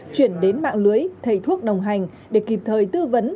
chuyển đến mạng lưới thầy thuốc đồng hành để kịp thời tư vấn